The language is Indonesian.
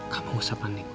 kamu gak usah panik